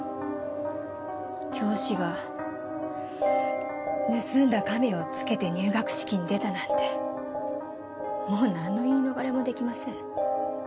教師が盗んだカメオを着けて入学式に出たなんてもうなんの言い逃れも出来ません。